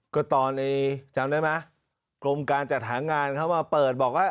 ก็ตอนจำได้ไหมกรมการจัดหางานเข้ามาเปิดบอกว่า